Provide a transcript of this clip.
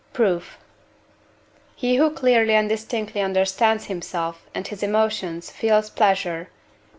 Proof. He who clearly and distinctly understands himself and his emotions feels pleasure (III.